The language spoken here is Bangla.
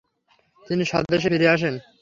তিনি স্বদেশে ফিরে আসেন।